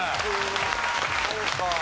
そうか。